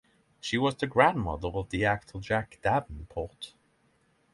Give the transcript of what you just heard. She was the grandmother of the actor Jack Davenport.